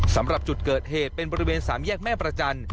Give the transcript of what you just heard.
สำหรับจุดเกิดเหตุเป็นบริเวณสามแยกแม่ประจันทร์